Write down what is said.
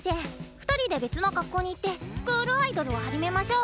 ２人で別の学校に行ってスクールアイドルを始めましょう。